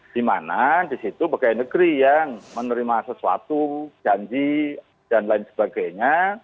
di mana di situ pegawai negeri yang menerima sesuatu janji dan lain sebagainya